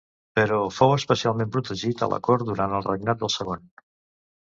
Però fou especialment protegit a la cort durant el regnat del segon.